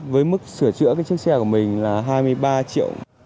với mức sửa chữa cái chiếc xe của mình là hai mươi ba triệu